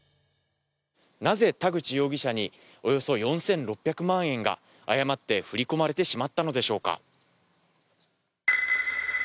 なぜ田口容疑者におよそ４６００万円が誤って振り込まれてしまったのでしょうか。